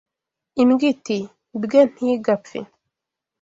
Imbwa iti Bwe nti Gapfe